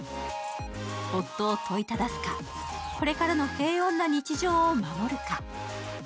夫を問いただすか、これからの平穏な日常を守るか。